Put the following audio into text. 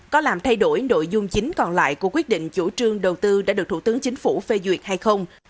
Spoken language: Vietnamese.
có làm thay đổi nội dung chính còn lại của quyết định chủ trương đầu tư đã được thủ tướng chính phủ phê duyệt hay không